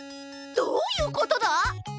どういうことだ？